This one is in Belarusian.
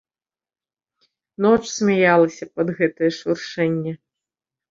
Ноч смяялася пад гэтае шуршэнне.